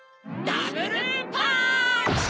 ダブルパンチ！